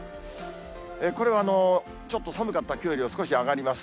これはちょっと寒かったきょうよりは少し上がります。